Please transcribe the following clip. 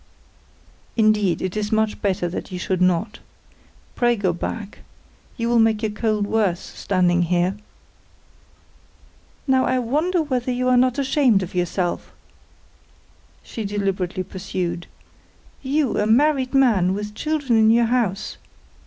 "Indeed it is much better that you should not. Pray go back. You will make your cold worse, standing here. "Now, I want to know whether you are not ashamed of yourself?" she deliberately pursued. "You! A married man, with children in your house!